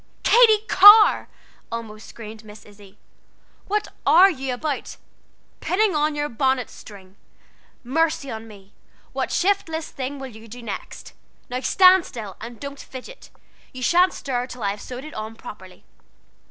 "Katy Carr!" almost screamed Miss Izzie, "what are you about? Pinning on your bonnet string! Mercy on me, what shiftless thing will you do next? Now stand still, and don't fidget. You sha'n't stir till I have sewed it on properly."